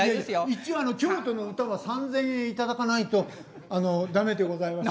一応京都の歌は３，０００円頂かないと駄目でございます。